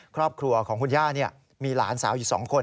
ครอบครัวของคุณย่ามีหลานสาวอยู่๒คน